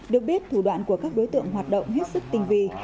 được biết thủ đoạn của các đối tượng hoạt động hết sức tinh vi